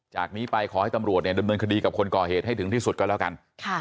จากนี้ไปขอให้ตำรวจเนี่ยดำเนินคดีกับคนก่อเหตุให้ถึงที่สุดก็แล้วกัน